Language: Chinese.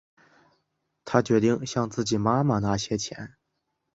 她决定向自己妈妈拿些钱